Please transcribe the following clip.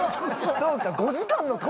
そうか。